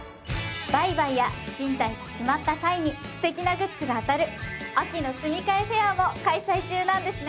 売買や賃貸が決まった際に素敵なグッズが当たる秋の住み替えフェアも開催中なんですね！